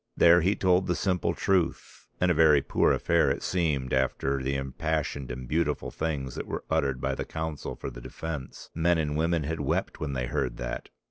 There he told the simple truth, and a very poor affair it seemed after the impassioned and beautiful things that were uttered by the counsel for the defence. Men and women had wept when they heard that.